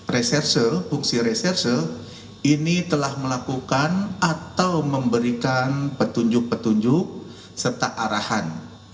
reserse fungsi reserse ini telah melakukan atau memberikan petunjuk petunjuk serta arahan